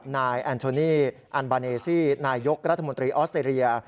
นายยกรัฐมิวัลธรรมบิทริย์ออสเตรีย